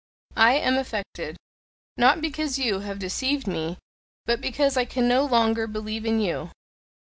"I am affected, not because you have deceived me, but because I can no longer believe in you."